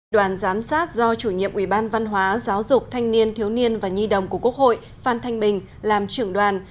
đoàn giám sát do chủ nhiệm ủy ban văn hóa giáo dục thanh niên thiếu niên và nhi đồng của quốc hội phan thanh bình làm trưởng đoàn